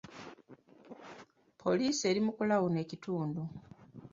Poliisi eri mu kulawuna ekitundu.